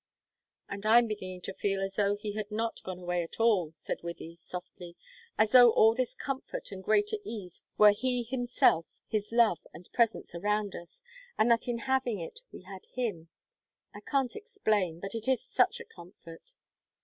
"And I'm beginning to feel as though he had not gone away at all," said Wythie, softly; "as though all this comfort and greater ease were he himself, his love and presence around us, and that in having it we had him. I can't explain, but it is such a comfort!"